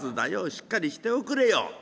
しっかりしておくれよ」。